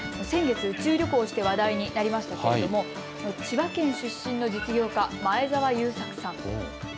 先月、宇宙旅行をして話題になりましたけれども千葉県出身の実業家、前澤友作さん。